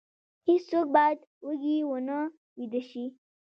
هیڅوک باید وږی ونه ویده شي.